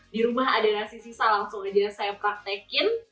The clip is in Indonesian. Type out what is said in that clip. di rumah ada nasi sisa langsung aja saya praktekin